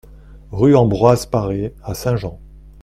RUE AMBROISE PARE à Saint-Jean